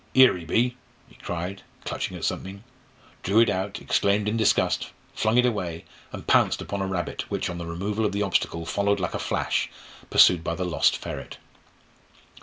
"'Ere ee be," he cried, clutching at something, drew it out, exclaimed in disgust, flung it away, and pounced upon a rabbit which on the removal of the obstacle followed like a flash, pursued by the lost ferret.